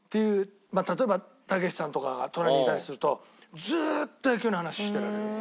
例えばたけしさんとかが隣にいたりするとずっと野球の話してられる。